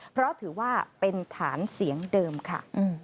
เพราะถือว่าเป็นฐานเสียงเดิมค่ะ